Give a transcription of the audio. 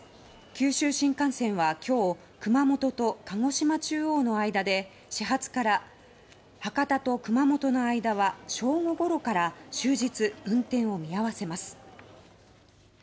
九州新幹線は今日熊本と鹿児島中央の間で始発から博多と熊本の間は正午ごろから終日運転を見合わせます。